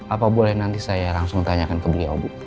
apa boleh nanti saya langsung tanyakan ke beliau bu